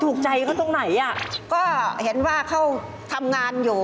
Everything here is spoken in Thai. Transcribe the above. พวกเจ้านายเขาจ้าง